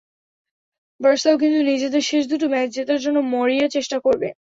বার্সাও কিন্তু নিজেদের শেষ দুটো ম্যাচ জেতার জন্য মরিয়া চেষ্টা করবে।